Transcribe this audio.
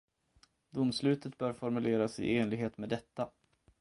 Domslutet bör formuleras i enlighet med detta.